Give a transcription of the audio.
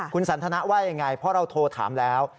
คุณสันทนาว่ายังไงเพราะเราโทรถามแล้ว